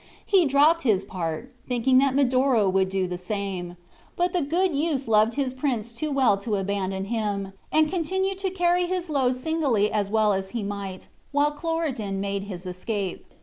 He dropped his part, thinking that Medoro would do the same; but the good youth loved his prince too well to abandon him, and continued to carry his load singly as well as he might, while Cloridan made his escape.